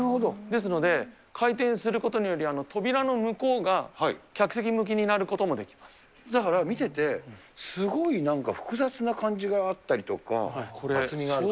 ですので、回転することにより、扉の向こうが客席向きになるだから見てて、すごいなんか複雑な感じがあったりとか、厚みがある。